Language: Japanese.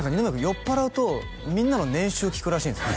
酔っぱらうとみんなの年収を聞くらしいんですよ